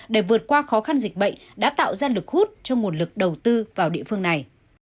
để vượt qua khó khăn dịch bệnh đã tạo ra lực hút cho nguồn lực đầu tư vào địa phương này